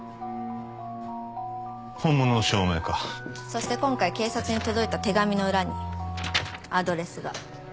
そして今回警察に届いた手紙の裏にアドレスが。